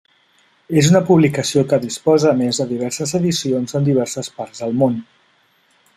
És una publicació que disposa a més de diverses edicions en diverses parts del món.